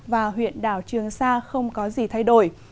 và huyện đảo trường sa không có gì thay đổi